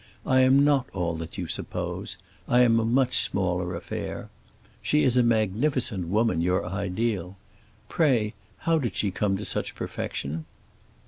I am not all that you suppose; I am a much smaller affair. She is a magnificent woman, your ideal. Pray, how did she come to such perfection?"